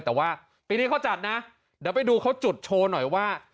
แต่ว่าปีนี้เขาจัดนะเดี๋ยวไปดูเขาจุดโชว์หน่อยว่า